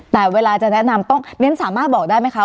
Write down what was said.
แต่เวลาจะแนะนำต้องเรียนสามารถบอกได้ไหมคะ